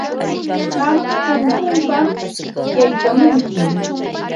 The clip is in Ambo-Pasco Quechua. Qam punkunpam yaykamunki.